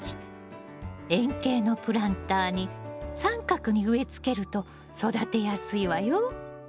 円形のプランターに三角に植えつけると育てやすいわよ。